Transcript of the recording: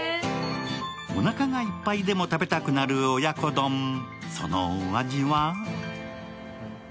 おなかがいっぱいでも食べたくなる親子丼、そのお味は？